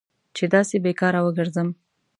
چې داسې بې کاره وګرځم.